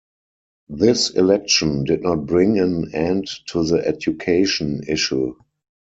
This election did not bring an end to the education issue.